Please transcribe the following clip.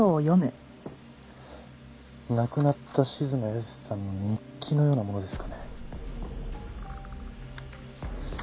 亡くなった静野保志さんの日記のようなものですかね？